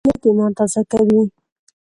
د خیر نیت ایمان تازه کوي.